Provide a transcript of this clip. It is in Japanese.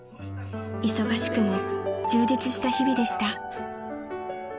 ［忙しくも充実した日々でした］